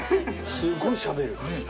すごいしゃべる。